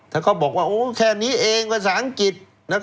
ถ้าเขาบอกว่าโอ้แค่นี้เองภาษาอังกฤษ